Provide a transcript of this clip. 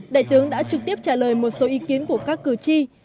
đại tướng đã trực tiếp trả lời một số ý kiến của các cử tri